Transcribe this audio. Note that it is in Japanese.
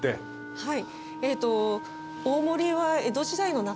はい。